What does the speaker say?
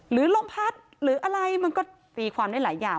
ลมพัดหรืออะไรมันก็ตีความได้หลายอย่าง